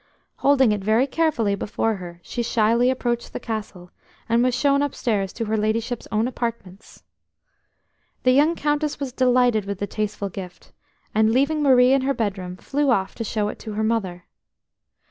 Holding it very carefully before her, she shyly approached the Castle, and was shown upstairs to her ladyship's own apartments. The young Countess was delighted with the tasteful gift, and, leaving Marie in her bedroom, flew off to show it to her mother.